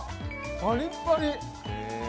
パリッパリ。